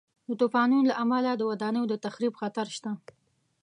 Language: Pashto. د طوفانونو له امله د ودانیو د تخریب خطر شته.